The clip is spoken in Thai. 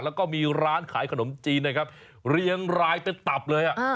แล้วก็มีร้านขายขนมจีนนะครับเรียงรายเป็นตับเลย